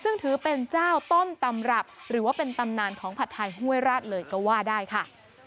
ซึ่งถือเป็นเจ้าต้นตำรับหรือว่าเป็นตำนานของผัดไทยห้วยราชเลยก็ว่าได้ค่ะ